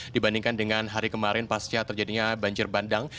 dibandingkan dengan hari kemarin pasca terjadinya banjir bandang